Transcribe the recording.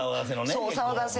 そうお騒がせの。